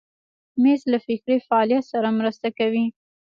مېز له فکري فعالیت سره مرسته کوي.